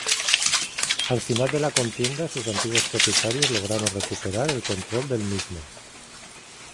Al final de la contienda sus antiguos propietarios lograron recuperar el control del mismo.